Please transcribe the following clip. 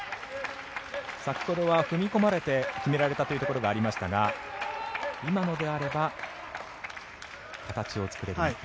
先ほどは踏み込まれて決まったというところがありましたが今のであれば形を作れる日本。